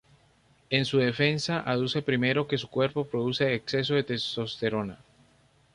En su defensa, aduce primero que su cuerpo produce exceso de testosterona.